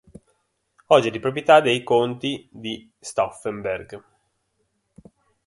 Oggi è di proprietà dei conti di Stauffenberg.